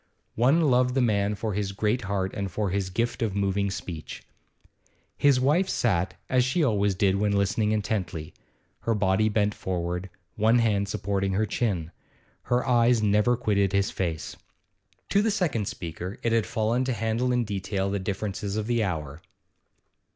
One loved the man for his great heart and for his gift of moving speech. His wife sat, as she always did when listening intently, her body bent forward, one hand supporting her chin. Her eyes never quitted his face. To the second speaker it had fallen to handle in detail the differences of the hour.